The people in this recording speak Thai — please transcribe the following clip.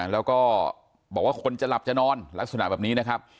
แล้วก็บอกว่าคนจะหลับจะนอนลักษณะแบบนี้นะครับ